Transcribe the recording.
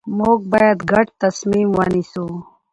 موږ باید ګډ تصمیم ونیسو